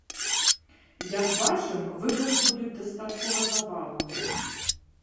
Як бачым, выбары будуць дастаткова забаўныя.